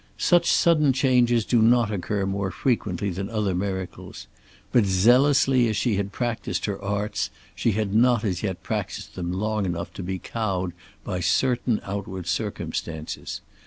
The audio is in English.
Such sudden changes do not occur more frequently than other miracles. But zealously as she had practised her arts she had not as yet practised them long enough not to be cowed by certain outward circumstances.